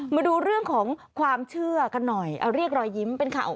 มาดูเรื่องของความเชื่อกันหน่อยเอาเรียกรอยยิ้มเป็นข่าว